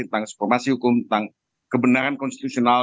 tentang suformasi hukum tentang kebenaran konstitusional